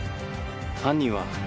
犯人は？